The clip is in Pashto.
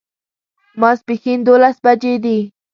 ماسپښین دوولس بجې دي